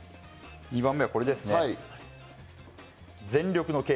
僕は２番目はこれですね。